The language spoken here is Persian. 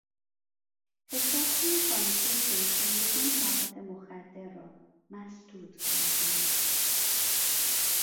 حسابهای بانکی فروشندگان مواد مخدر را مسدود کردند.